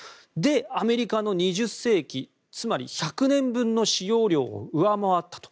アメリカの２０世紀つまり１００年分の使用量を上回ったと。